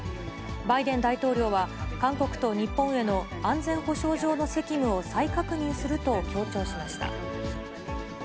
バイデン大統領は韓国と日本への安全保障上の責務を再確認すると強調しました。